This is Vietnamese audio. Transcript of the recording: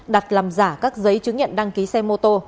đặt làm giả các giấy chứng nhận đăng ký xe mô tô